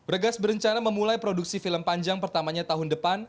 regas berencana memulai produksi film panjang pertamanya tahun depan